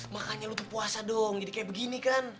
makanya lu ke puasa dong jadi kayak begini kan